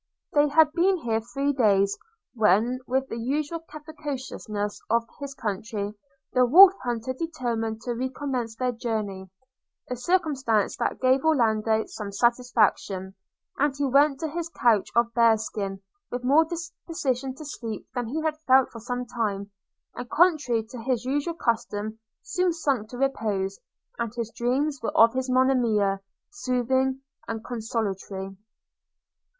They had been here three days, when, with the usual capriciousness of his country, the Wolf hunter determined to recommence their journey – a circumstance that gave Orlando some satisfaction; and he went to his couch of bear skin with more disposition to sleep than he had felt for some time, and, contrary to his usual custom, soon sunk to repose; and his dreams were of his Monimia, soothing and consolatory.